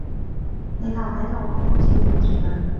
你留喺度好好照顧住佢